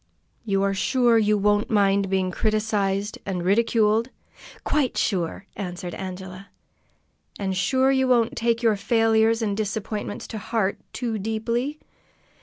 "You are sure you won't mind being criticised and ridiculed?" "Quite sure!" answered Angela. "And sure you won't take your failures and disappointments to heart too deeply?"